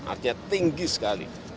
artinya tinggi sekali